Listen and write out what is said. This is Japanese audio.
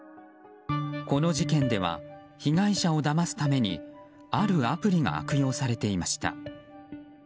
この事件では被害者をだますためにあるアプリが悪用されていました。